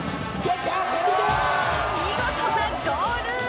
見事なゴール！